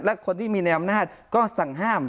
และคนที่มีในอำนาจก็สั่งห้าม